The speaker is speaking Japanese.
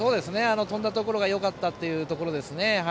飛んだところがよかったというところですね。